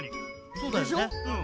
そうだよねうん。